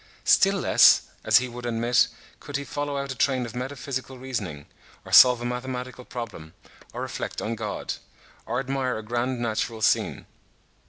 Still less, as he would admit, could he follow out a train of metaphysical reasoning, or solve a mathematical problem, or reflect on God, or admire a grand natural scene.